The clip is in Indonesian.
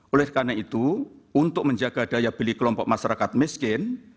oleh karena itu untuk menjaga daya beli kelompok masyarakat miskin